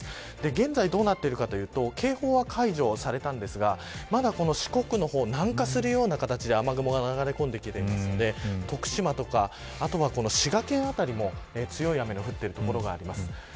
現在どうなっているかというと警報は解除されたんですがまだ四国の方、南下するような形で雨雲が流れ込んできていますので徳島とか滋賀県辺りも強い雨の降っている所があります。